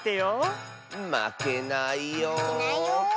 まけないよ。